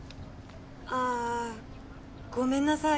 ああごめんなさい。